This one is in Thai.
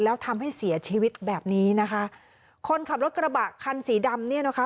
แล้วทำให้เสียชีวิตแบบนี้นะคะคนขับรถกระบะคันสีดำเนี่ยนะคะ